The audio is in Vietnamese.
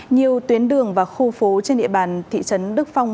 nhiều tuyến đường và khu phố trên địa bàn thị trấn đức phong